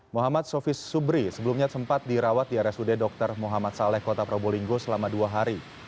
muhammad sofis subri sebelumnya sempat dirawat di rsud dr muhammad saleh kota probolinggo selama dua hari